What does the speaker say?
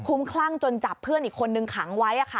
คุ้มคลั่งจนจับเพื่อนอีกคนนึงขังไว้